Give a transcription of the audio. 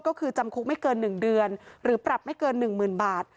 ก็คือจำคุกไม่เกิน๑เดือนหรือปรับไม่เกิน๑๐๐๐บาท